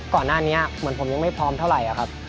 ก่อนหน้านี้เหมือนผมยังไม่พร้อมเท่าไหร่ครับ